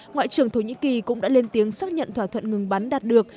ngoại trưởng thổ nhĩ kỳ cũng đã lên tiếng xác nhận thỏa thuận ngừng bắn đạt được